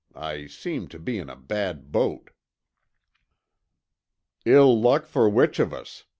I seem to be in a bad boat." "Ill luck for which of us?"